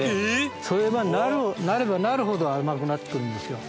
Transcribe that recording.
そうなればなるほど甘くなって来るんですよ。